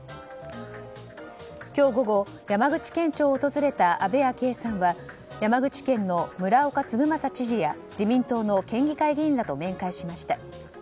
今日午後、山口県庁を訪れた安倍昭恵さんは山口県の村岡嗣政知事や自民党の県議会議員と面会しました。